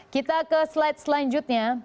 kita ke slide selanjutnya